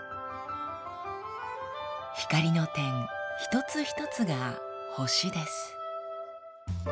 光の点一つ一つが星です。